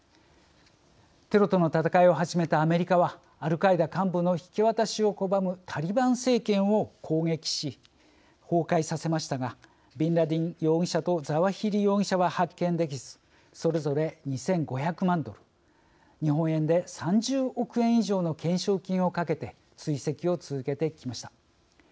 「テロとの戦い」を始めたアメリカはアルカイダ幹部の引き渡しを拒むタリバン政権を攻撃し崩壊させましたがビンラディン容疑者とザワヒリ容疑者は発見できずそれぞれ２５００万ドル日本円で３０億円以上の懸賞金を懸けて追跡を続けてきました。